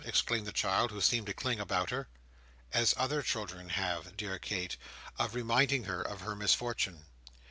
exclaimed the child, who seemed to cling about her. "—As other children have, dear Kate, of reminding her of her misfortune.